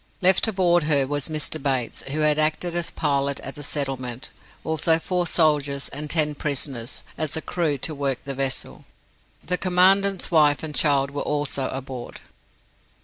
Left aboard her was Mr. Bates, who had acted as pilot at the settlement, also four soldiers, and ten prisoners, as a crew to work the vessel. The Commandant's wife and child were also aboard."